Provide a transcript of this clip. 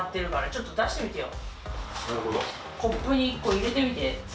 ちょっと出してみてよ。